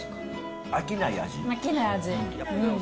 飽きない味。